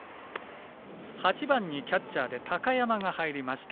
８番にキャッチャーで高山が入りました。